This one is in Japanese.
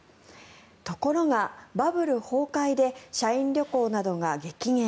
ところが、バブル崩壊で社員旅行などが激減。